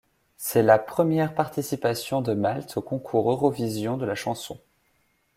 C'est la première participation de Malte au Concours Eurovision de la chanson.